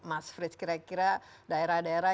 mas frits kira kira daerah daerah